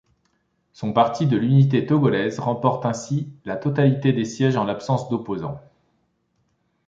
Son Parti de l'unité togolaise remporte ainsi la totalité des sièges en l'absence d'opposants.